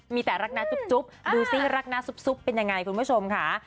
มีแต่รักนะจุ๊บดูสิรักหน้าซุปเป็นยังไงคุณผู้ชมค่ะ